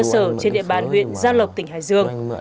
cường đã đưa sở trên địa bàn huyện gia lộc tỉnh hải dương